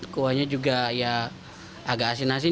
kuahnya juga ya agak asin asin